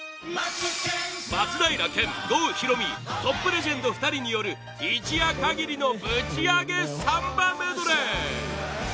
松平健、郷ひろみトップレジェンド２人による一夜限りのぶちアゲサンバメドレー！